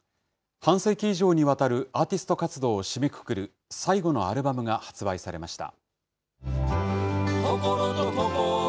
半世紀以上にわたるアーティスト活動を締めくくる最後のアルバムが発売されました。